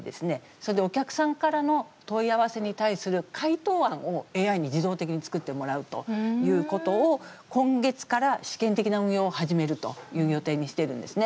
それでお客さんからの問い合わせに対する回答案をＡＩに自動的に作ってもらうということを今月から試験的な運用を始めるという予定にしてるんですね。